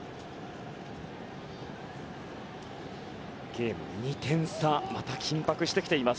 ゲーム２点差また緊迫してきています。